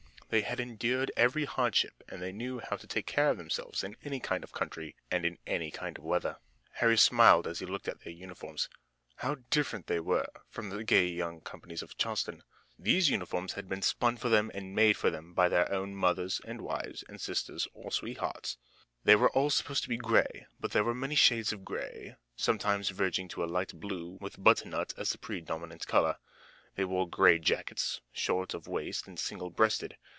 They had endured every hardship and they knew how to take care of themselves in any kind of country and in any kind of weather. Harry smiled as he looked at their uniforms. How different they were from some of the gay young companies of Charleston! These uniforms had been spun for them and made for them by their own mothers and wives and sisters or sweethearts. They were all supposed to be gray, but there were many shades of gray, sometimes verging to a light blue, with butternut as the predominant color. They wore gray jackets, short of waist and single breasted.